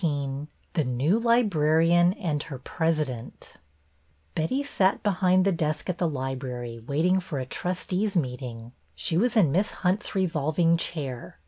XVII THE NEW LIBRARIAN AND HER PRESIDENT B etty sat behind the desk at the library, waiting for a trustees' meeting. She was in Miss Hunt's revolving chair.